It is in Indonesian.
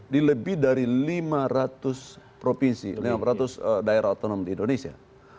di lebih dari lima ratus provinsi lima ratus daerah otonom di indonesia